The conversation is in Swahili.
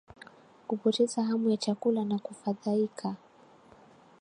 Kupoteza hamu ya chakula na kufadhaika